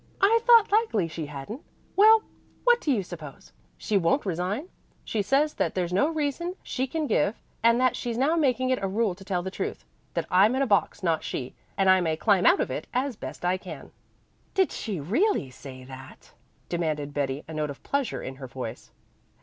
"I thought likely she hadn't. Well, what do you suppose? She won't resign. She says that there's no real reason she can give, and that she's now making it a rule to tell the truth; that I'm in a box, not she, and I may climb out of it as best as I can." "Did she really say that?" demanded Betty, a note of pleasure in her voice.